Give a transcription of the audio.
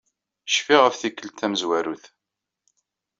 Cfiɣ ɣef tikkelt tamezwarut.